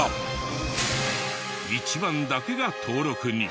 一番だけが登録に。